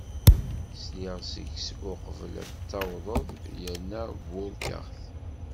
Sliɣ seg-s uqbel ad d-tawdeḍ, yerna burkeɣ-t.